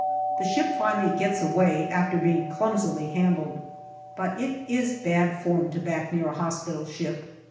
The ship finally gets away after being clumsily handled ; but it is bad form to back near a hospital ship.